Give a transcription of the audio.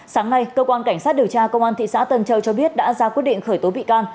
sáng nay cơ quan cảnh sát điều tra công an thị xã tân châu cho biết đã ra quyết định khởi tố bị can